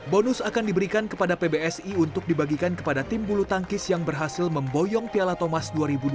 bonus akan diberikan kepada pbsi untuk dibagikan kepada tim bulu tangkis yang berhasil memboyong piala thomas dua ribu dua puluh